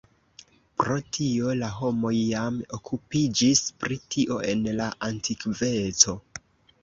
Pro tio la homoj jam okupiĝis pri tio en la antikveco.